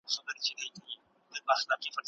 فارابي د ټولني اخلاقي نظم مهم ګڼي.